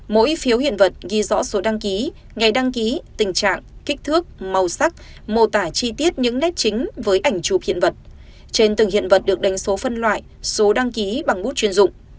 mỗi phiếu hiện vật ghi rõ số đăng ký ngày đăng ký tình trạng kích thước màu sắc mô tả chi tiết những nét chính với ảnh chụp hiện vật trên từng hiện vật được đánh số phân loại số đăng ký bằng bút chuyên dụng